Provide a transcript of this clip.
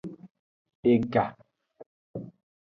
Ega.